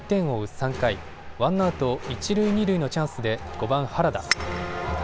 ３回、ワンアウト一塁二塁のチャンスで５番・原田。